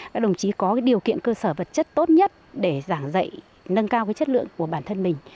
các đồng chí có điều kiện cơ sở vật chất tốt nhất để giảng dạy nâng cao chất lượng của bản thân mình